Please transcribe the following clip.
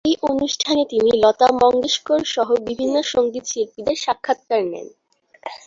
এই অনুষ্ঠানে তিনি লতা মঙ্গেশকর সহ বিভিন্ন সঙ্গীত শিল্পীদের সাক্ষাৎকার নেন।